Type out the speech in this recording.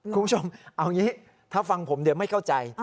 คุณผู้ชมเอางี้ถ้าฟังผมเดี๋ยวไม่เข้าใจ